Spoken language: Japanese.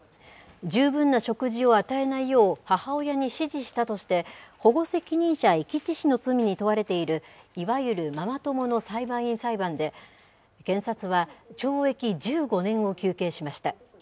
十分な食事を与えないよう母親に指示したとして、保護責任者遺棄致死の罪に問われている、いわゆるママ友の裁判員裁判で、検察は懲役１５年を求刑しました。